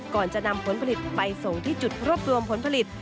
ก่อนจะนำผลผลิตไปส่งที่จุดรวบรวมผลผลิต